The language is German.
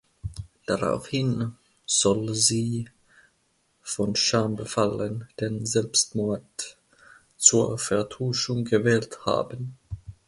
Daraufhin soll sie, von Scham befallen, den Selbstmord zur Vertuschung gewählt haben.